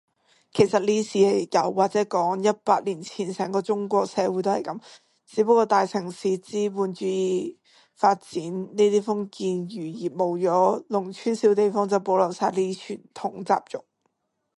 其實呢啲事日日有，或者講，一百年前成個中國社會都係噉，只不過大城市資本主義發展呢啲封建餘孽冇咗，農村小地方就保留晒呢啲傳統習俗